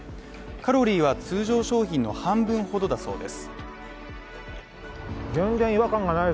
カロリーは通常商品の半分ほどだそうです。